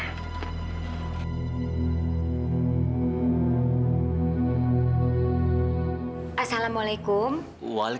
terima kasih banyak